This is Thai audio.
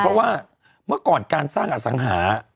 เพราะว่าเมื่อก่อนการสร้างอสังหา